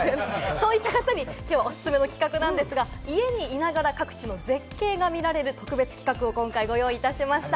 そういった方におすすめな企画なんですが、家にいながらに、各地の絶景が見られる特別企画を今回ご用意いたしました。